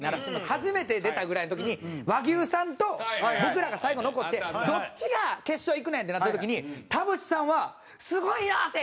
初めて出たぐらいの時に和牛さんと僕らが最後残ってどっちが決勝行くねんってなってる時に田渕さんは「すごいよ亜生！」